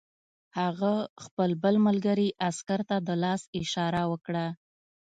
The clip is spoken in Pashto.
هغه خپل بل ملګري عسکر ته د لاس اشاره وکړه